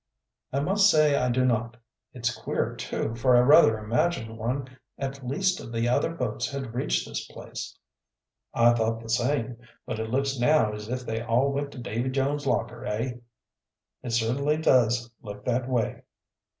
"I must say I do not. It's queer, too, for I rather imagined one at least of the other boats had reached this place." "I thought the same. But it looks now as if they all went to Davy Jones's locker, eh?" "It certainly does look that way."